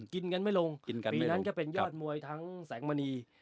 กินกันไม่ลงปีนั้นก็เป็นยอดมวยทั้งแสงมณี